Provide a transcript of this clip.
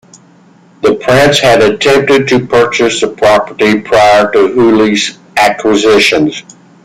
The Prince had attempted to purchase the property prior to Hooley's acquisition.